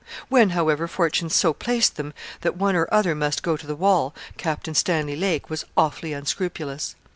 When, however, fortune so placed them that one or other must go to the wall, Captain Stanley Lake was awfully unscrupulous.